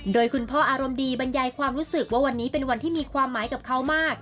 โดยคุณพ่ออารมณ์ดีบรรยายความรู้สึกว่าวันนี้เป็นวันที่มีความหมายกับเขามาก